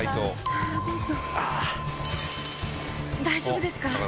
大丈夫ですか？